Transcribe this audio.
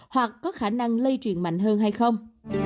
hoặc có khả năng lây truyền mạnh hơn hay không